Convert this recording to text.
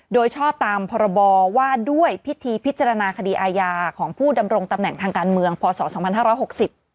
โดยชอบตามพรบว่าด้วยพิธีพิจารณาคดีอายาของผู้ดำรงตำแหน่งทางการเมืองพศ๒๕๖๐